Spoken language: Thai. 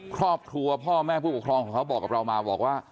ครอบครัวพ่อแม่ผู้ปกครองเขาก็บอกมา